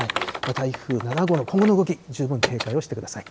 台風７号の今後の動き、十分警戒をしてください。